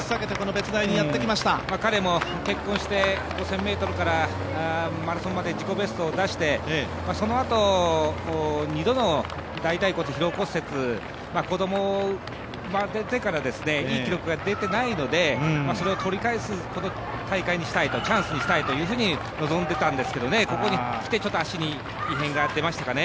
彼も結婚して５０００ｍからマラソンまで自己ベストを出して、そのあと、２度の大たい骨疲労骨折子供が生まれてからいい記録が出ていないのでそれを取り返す大会、チャンスにしたいと臨んでたんですけれどもここにきて、ちょっと足に異変が出ましたかね。